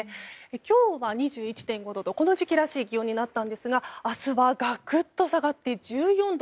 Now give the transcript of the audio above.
今日は２１．５度とこの時期らしい気温になったんですが明日はガクッと下がって１４度。